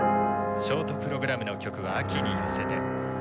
ショートプログラムの曲は「秋によせて」。